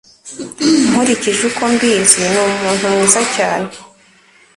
Nkurikije uko mbizi, ni umuntu mwiza cyane.